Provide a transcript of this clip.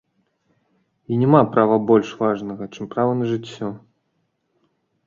І няма права больш важнага, чым права на жыццё.